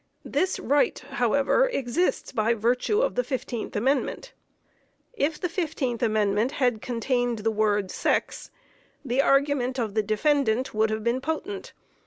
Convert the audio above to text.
This right, however, exists by virtue of the 15th Amendment. If the 15th Amendment had contained the word "sex," the argument of the defendant would have been potent.